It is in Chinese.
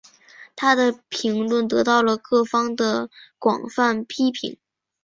她的评论得到了各方的广泛批评。